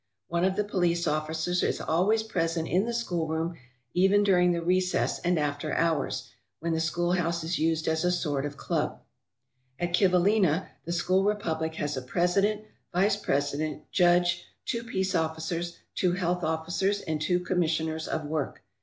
One of the police officers is always present in the schoolroom, even during the recess and after hours, when the schoolhouse is used as a sort of club. At Kivalina the school republic has a president, vice president, judge, two peace officers, two health officers, and two commissioners of work.